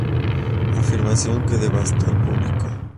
Afirmación que devastó al público.